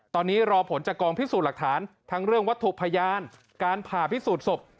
ตอนนี้รอผลจากกองพิสูจน์หลักฐานทั้งเรื่องวัตถุพยานการผ่าพิสูจน์ศพ